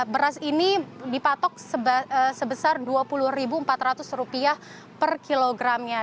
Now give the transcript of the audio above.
beras ini dipatok sebesar rp dua puluh empat ratus per kilogramnya